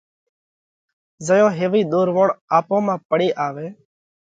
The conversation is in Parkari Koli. زئيون هيوَئي ۮورووڻ آپون مانه پڙي آوئه،